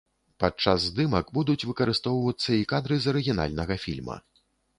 Падчас здымак будуць выкарыстоўвацца і кадры з арыгінальнага фільма.